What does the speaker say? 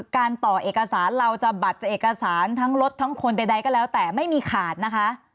การต่อเอกสารเราจะบัตรจะเอกสารทั้งรถทั้งคนใดก็แล้วแต่ไม่มีขาดนะคะ